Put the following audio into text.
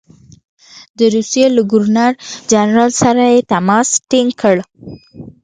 د روسیې له ګورنر جنرال سره یې تماس ټینګ کړ.